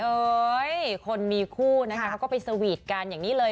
เอ้ยคนมีคู่นะคะเขาก็ไปสวีทกันอย่างนี้เลย